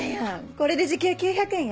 これで時給９００円よ。